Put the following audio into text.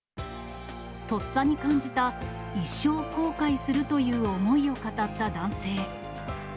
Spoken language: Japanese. とっさに感じた、一生後悔するという思いを語った男性。